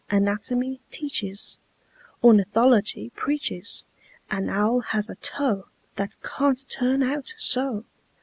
Anatomy teaches, Ornithology preaches An owl has a toe That can't turn out so!